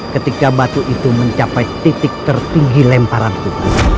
ketika batu itu mencapai titik tertinggi lemparanmu